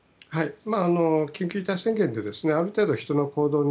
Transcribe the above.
緊急事態宣言である程度、人の行動に